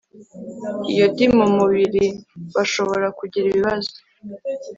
iyodi mu mubiri bashobora kugira ibibazo